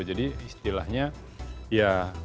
jadi istilahnya ya